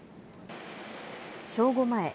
正午前。